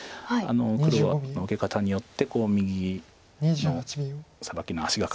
黒の受け方によって右のサバキの足がかりにするような。